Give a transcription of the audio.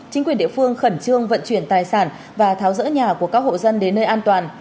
chính quyền địa phương khẩn trương vận chuyển tài sản và tháo rỡ nhà của các hộ dân đến nơi an toàn